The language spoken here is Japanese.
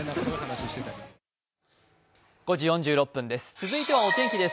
続いてはお天気です。